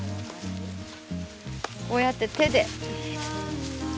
こうやって手で。